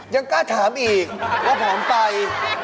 ยังกล้าถามอีกว่าผอมไป